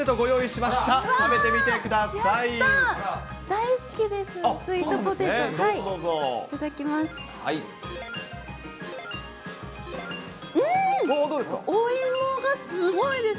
いただきます。